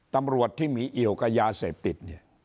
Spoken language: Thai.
ตำรวจที่มีเอี่ยวกับยาเสพติดเนี่ย